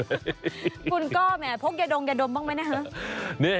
คุณก้อมพกยะดมยะดมบ้างไหมนะ